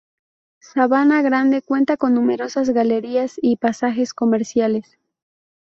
Sabana Grande cuenta con numerosas galerías y pasajes comerciales.